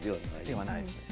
ではないですね。